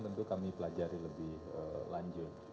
tentu kami pelajari lebih lanjut